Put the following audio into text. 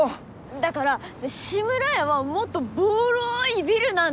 だから志村屋はもっとボロいビルなんです！